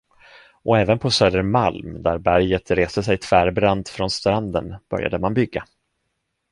Och även på Södermalm, där berget reste sig tvärbrant från stranden, började man bygga.